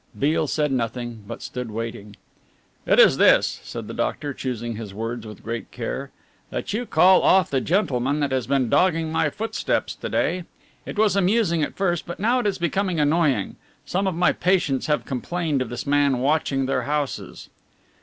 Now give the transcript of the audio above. Beale said nothing but stood waiting. "It is this," said the doctor, choosing his words with great care: "that you call off the gentleman who has been dogging my footsteps to day. It was amusing at first but now it is becoming annoying. Some of my patients have complained of this man watching their houses."